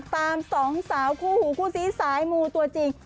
สองสาวคู่หูคู่ซีสายมูตัวจริง